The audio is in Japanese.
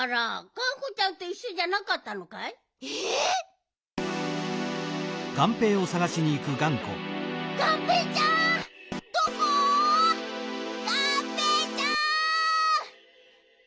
がんぺーちゃん！